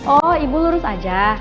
oh ibu lurus aja